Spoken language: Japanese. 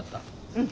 うん。